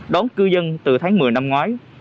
đón cư dân từ tháng một mươi năm ngoái